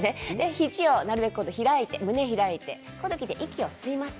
肘をなるべく開いて胸を開いて息を吸います。